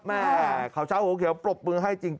ข่าวเช้าหัวเขียวปรบมือให้จริง